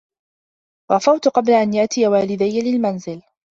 غفوت قبل أن يأتي والدي للمنزل.